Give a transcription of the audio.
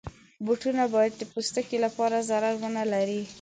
بوټونه باید د پوستکي لپاره ضرر ونه لري.